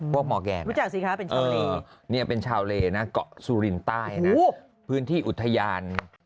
พวกหมอแกนนะครับเออนี่เป็นชาวเลนะกซุรินทร์ใต้นะพื้นที่อุทยาน